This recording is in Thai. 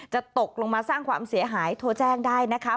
ตกลงมาสร้างความเสียหายโทรแจ้งได้นะคะ